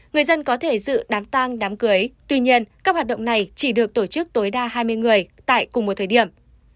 người dân có thể dự đám tang đám cưới tuy nhiên các hoạt động này chỉ được tổ chức tối đa hai mươi người tại cùng một thời điểm